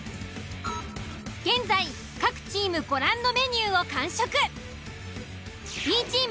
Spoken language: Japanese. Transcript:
現在各チームご覧のメニューを完食。